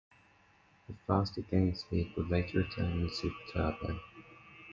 The faster game speed would later return in Super Turbo.